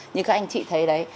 như các anh chị thấy đấy